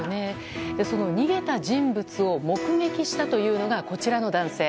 その逃げた人物を目撃したというのがこちらの男性。